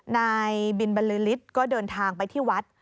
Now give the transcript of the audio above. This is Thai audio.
นายบินบรรลือฤทธิ์ก็เดินทางไปที่วัด